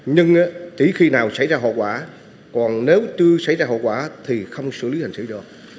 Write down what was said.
nhưng chỉ khi nào xảy ra hậu quả còn nếu chưa xảy ra hậu quả thì không xử lý hành sự